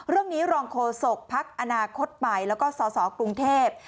เรื่องนี้รองโคศกภักดิ์อนาคตหมายแล้วก็สสกรุงเทพฯ